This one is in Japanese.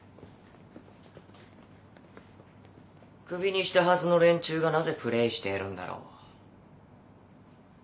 首にしたはずの連中がなぜプレーしているんだろう。